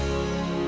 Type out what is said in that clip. ngejar apa kamu